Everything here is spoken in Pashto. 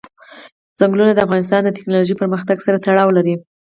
چنګلونه د افغانستان د تکنالوژۍ پرمختګ سره تړاو لري.